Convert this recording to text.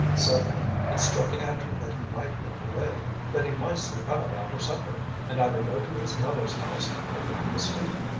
Suddenly it struck Andrew that he might run away, that he might slip out after supper, and either go into his mother's house or down the street.